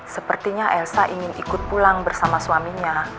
sepertinya elsa ingin ikut pulang bersama suaminya